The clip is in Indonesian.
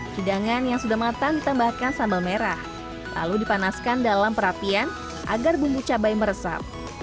hidangan yang sudah matang ditambahkan sambal merah lalu dipanaskan dalam perapian agar bumbu cabai meresap